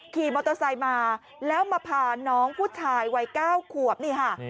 ขี่มอเตอร์ไซค์มาแล้วมาพาน้องผู้ชายวัย๙ขวบนี่ค่ะ